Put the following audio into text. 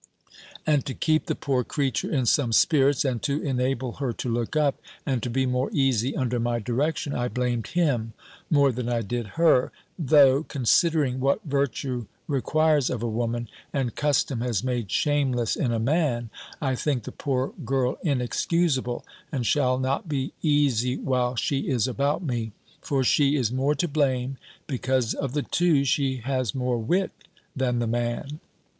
And to keep the poor creature in some spirits, and to enable her to look up, and to be more easy under my direction, I blamed him more than I did her: though, considering what virtue requires of a woman, and custom has made shameless in a man, I think the poor girl inexcusable, and shall not be easy while she is about me. For she is more to blame, because, of the two, she has more wit than the man.